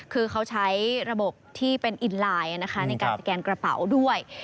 คือเขาใช้ระบบที่เป็นอินไลน์ในการสแกนกระเป๋าด้วย